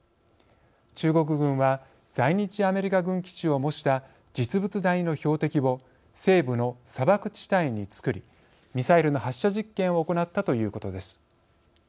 中国軍は在日アメリカ軍基地を模した実物大の標的を西部の砂漠地帯に作りミサイルの発射実験を行ったということです。